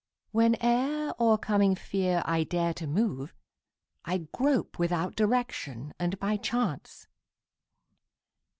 Whene'er, o'ercoming fear, I dare to move, I grope without direction and by chance.